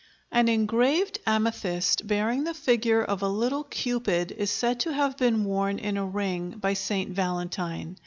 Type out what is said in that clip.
An engraved amethyst bearing the figure of a little Cupid is said to have been worn in a ring by St. Valentine.